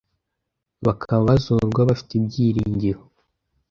bakaba bazazurwa bafite ibyiringiro